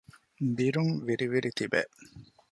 ބިރުން ވިރި ވިރި ތިބޭ